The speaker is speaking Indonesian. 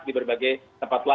di berbagai tempat selalu